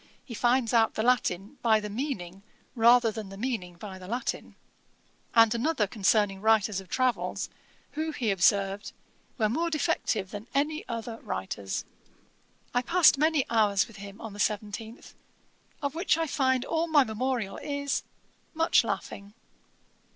He finds out the Latin by the meaning rather than the meaning by the Latin.' And another concerning writers of travels, who, he observed, 'were more defective than any other writers.' I passed many hours with him on the 17th, of which I find all my memorial is, 'much laughing.'